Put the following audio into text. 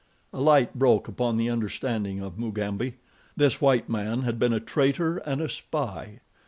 A light broke upon the understanding of Mugambi. This white man had been a traitor and a spy.